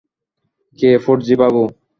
কে ফর্জি বাবু?